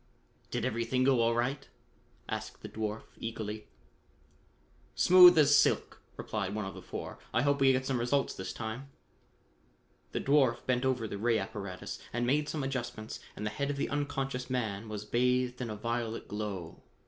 "Did everything go all right?" asked the dwarf eagerly. "Smooth as silk," replied one of the four. "I hope we get some results this time." The dwarf bent over the ray apparatus and made some adjustments and the head of the unconscious man was bathed with a violet glow.